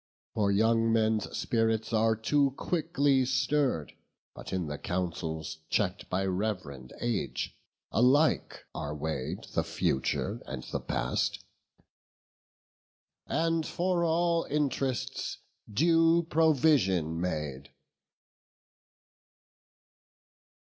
For young men's spirits are too quickly stirr'd; But in the councils check'd by rev'rend age, Alike are weigh'd the future and the past, And for all int'rests due provision made."